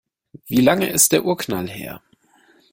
Wie lange ist der Urknall her?